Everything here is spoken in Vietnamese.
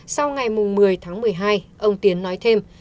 sau ngày một mươi tháng một mươi hai ông tiến nói thêm